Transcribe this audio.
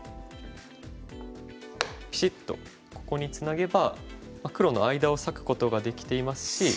ピシッとここにツナげば黒の間を裂くことができていますし。